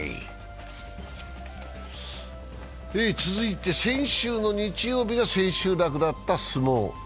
続いて先週の日曜日が千秋楽だった相撲。